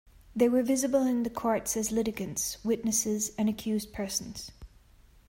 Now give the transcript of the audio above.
They were visible in the courts as litigants, witnesses and accused persons.